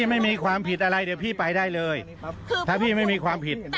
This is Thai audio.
ไม่มีคำไหนหยาบคลายเลยค่ะ